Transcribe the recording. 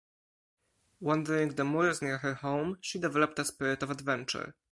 Wandering the moors near her home she developed a spirit of adventure.